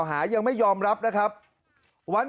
เมื่อกี้มันร้องพักเดียวเลย